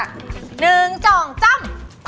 หนึ่งสองจ้อม